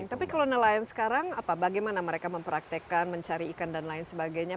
tapi kalau nelayan sekarang apa bagaimana mereka mempraktekkan mencari ikan dan lain sebagainya